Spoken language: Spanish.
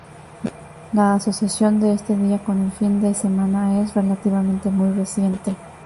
La asociación de este día con el fin de semana es, relativamente, muy reciente.